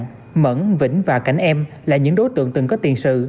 cảnh em mẫn vĩnh và cảnh em là những đối tượng từng có tiền sự